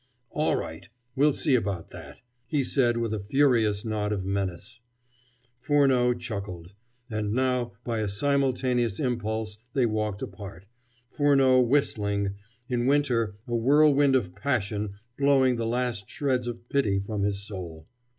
"All right! We'll see about that!" he said with a furious nod of menace. Furneaux chuckled; and now by a simultaneous impulse they walked apart, Furneaux whistling, in Winter a whirlwind of passion blowing the last shreds of pity from his soul.